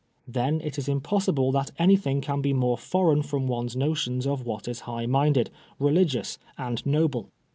Then it is impossible that anything can be more foreign from one's notions of what is high minded, religious and noble.